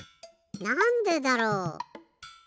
なんでだろう？